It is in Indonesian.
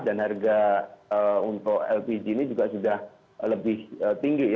dan harga untuk lpg ini juga sudah lebih tinggi ya dari harga yang ada saat ini di indonesia begitu